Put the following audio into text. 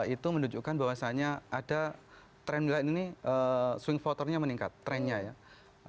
itu menunjukkan bahwasanya ada trend milenial ini swing fotonya meningkat trendnya ya